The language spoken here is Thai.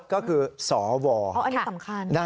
ก็คือสวอันนี้สำคัญ